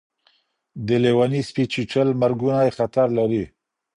د لېوني سپي چیچل مرګونی خطر لري.